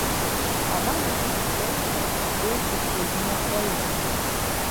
Амаль увесь экспарт ідзе ў суседнія краіны.